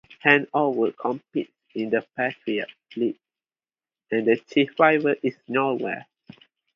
Hanover competes in the Patriot League, and their chief rival is Norwell.